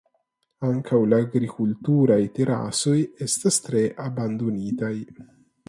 Ankaŭ la agrikulturaj terasoj estas tre abandonitaj.